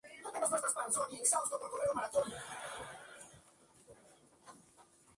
A toda prisa fue preciso adoptar disposiciones defensivas.